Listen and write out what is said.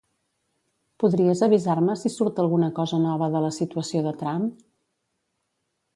Podries avisar-me si surt alguna cosa nova de la situació de Trump?